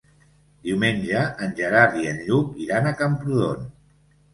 Diumenge en Gerard i en Lluc iran a Camprodon.